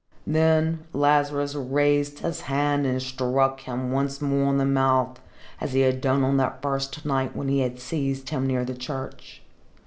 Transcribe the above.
Then Lazarus raised his hand and struck him once more on the mouth, as he had done on that first night when he had seized him near the church.